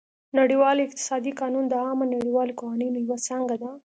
نړیوال اقتصادي قانون د عامه نړیوالو قوانینو یوه څانګه ده